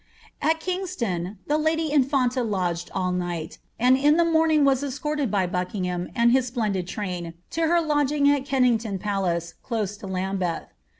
'' At Kingston the lady infanta lodged all night, and in the morning was escorted by Buckingham and his splendid train to her lodging at Ken nington Palace, close to Lambeth.